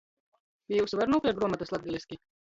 Pi jiusu var nūpierkt gruomotys latgaliski?